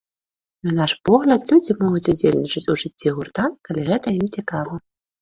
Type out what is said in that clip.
На наш погляд, людзі могуць удзельнічаць у жыцці гурта, калі гэта ім цікава.